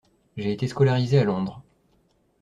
J’ai été scolarisé à Londres.